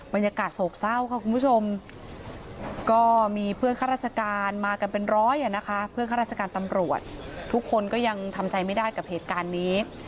บรรยากาศโศกเศร้าค่ะคุณผู้ชมก็มีเพื่อนข้าราชการมากันเป็นร้อยอ่ะนะคะเพื่อนข้าราชการตำรวจทุกคนก็ยังทำใจไม่ได้กับเหตุการณ์นี้